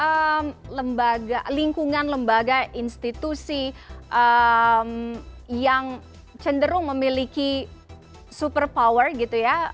oke mas reza mengapa lingkungan lembaga institusi yang cenderung memiliki super power gitu ya